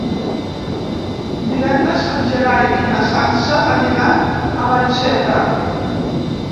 Divendres en Gerai i na Sança aniran a Vallcebre.